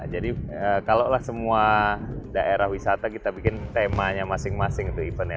jadi kalau lah semua daerah wisata kita bikin temanya masing masing itu eventnya